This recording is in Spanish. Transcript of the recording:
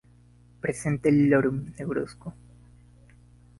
Presenta el lorum negruzco.